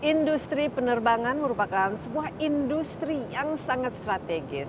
industri penerbangan merupakan sebuah industri yang sangat strategis